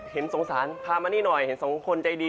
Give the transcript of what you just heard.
เห็นสงสารพามานี่หน่อยเห็นสองคนใจดี